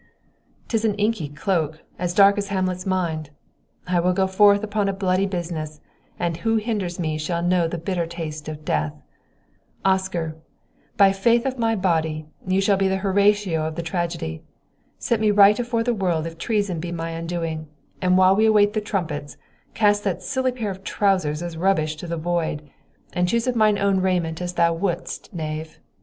"'Tis an inky cloak, as dark as Hamlet's mind; I will go forth upon a bloody business, and who hinders me shall know the bitter taste of death. Oscar, by the faith of my body, you shall be the Horatio of the tragedy. Set me right afore the world if treason be my undoing, and while we await the trumpets, cast that silly pair of trousers as rubbish to the void, and choose of mine own raiment as thou wouldst, knave!